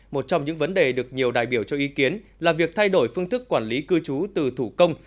một trong những vấn đề được nhiều đại biểu cho ý kiến là việc thay đổi phương thức quản lý cư trú từ thủ công